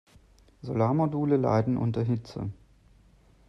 Solarmodule leiden unter Hitze.